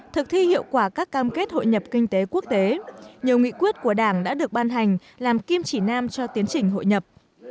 thực thi hiệu quả các cam kết hội nhập kinh tế quốc tế nhiều nghị quyết của đảng đã được ban hành làm kim chỉ nam cho tiến trình hội nhập